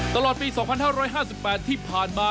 ตลอดปีสองพันห้าร้อยห้าสิบแปดที่ผ่านมา